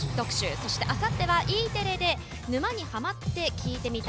そして、あさってはＥテレで「沼にハマってきいてみた」。